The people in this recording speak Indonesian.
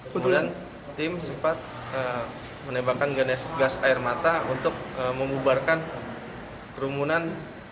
kebetulan tim sempat menembakkan ganes gas air mata untuk memubarkan kerumunan